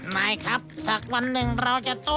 ไม่ครับสักวันหนึ่งเราจะโต้